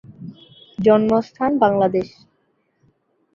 জন্মস্থান কলকাতা।